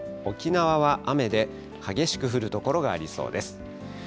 沖縄は雨で、激しく降る所がありそうです。